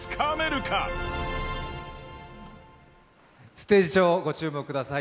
ステージ上、ご注目ください。